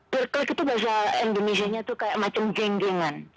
peer click itu bahasa indonesianya itu kayak macam geng gengan